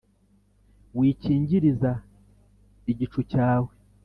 wikingiriza igicu cyawe